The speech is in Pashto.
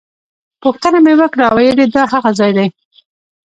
پوښتنه مې وکړه ویل یې دا هغه ځای دی.